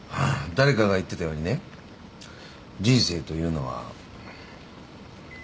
誰かが言ってたようにね人生というのは。